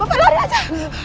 bapak lari aja